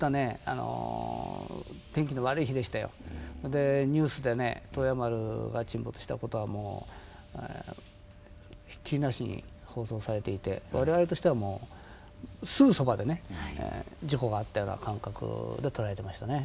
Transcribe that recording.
でニュースでね洞爺丸が沈没したことはもうひっきりなしに放送されていて我々としてはもうすぐそばでね事故があったような感覚で捉えてましたね。